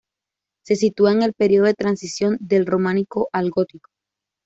Se sitúa en el periodo de transición del Románico al Gótico.